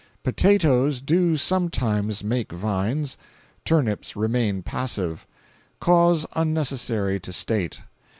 ] 'Potatoes do sometimes make vines; turnips remain passive: cause unnecessary to state.